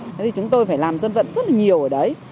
thế thì chúng tôi phải làm dân vận rất là nhiều ở đấy